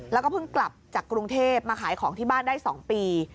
แล้วก็เพิ่งกลับจากกรุงเทพมาขายของที่บ้านได้๒ปี